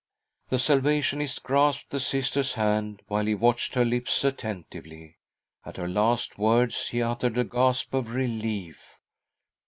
The Salvationist grasped the Sister's hand, while he watched her lips attentively. At her last words he uttered a gasp of relief.